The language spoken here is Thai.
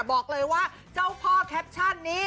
บอกเลยว่าเจ้าพ่อแคปชั่นนี้